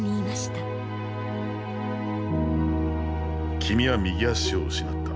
君は右足を失った。